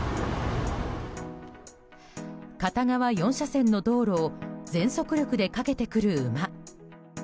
片側４車線の道路を全速力で駆けてくる馬。